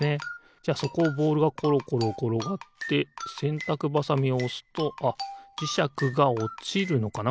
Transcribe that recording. じゃあそこをボールがころころころがってせんたくばさみをおすとあっじしゃくがおちるのかな？